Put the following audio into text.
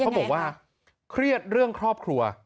เขาบอกว่าเครียดเรื่องครอบครัว